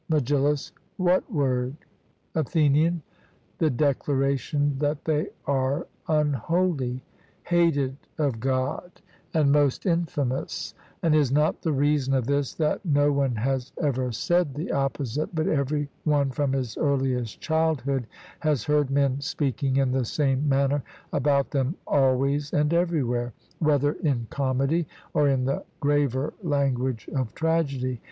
MEGILLUS: What word? ATHENIAN: The declaration that they are unholy, hated of God, and most infamous; and is not the reason of this that no one has ever said the opposite, but every one from his earliest childhood has heard men speaking in the same manner about them always and everywhere, whether in comedy or in the graver language of tragedy?